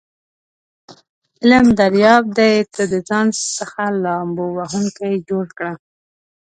علم دریاب دی ته دځان څخه لامبو وهونکی جوړ کړه س